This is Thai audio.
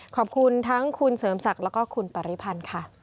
ขอบคุณทั้งคุณเสริมศักดิ์แล้วก็คุณปริพันธ์ค่ะ